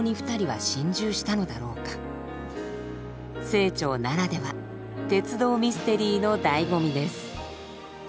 清張ならでは鉄道ミステリーの醍醐味です。